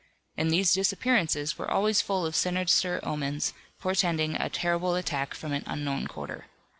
And these disappearances were always full of sinister omens, portending a terrible attack from an unknown quarter.